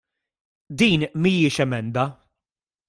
Din mhijiex emenda.